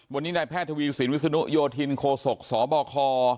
วันนี้นายแพทย์ทวีสินวิศนุโยธินโคศกสบค